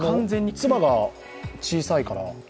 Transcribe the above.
つばが小さいから。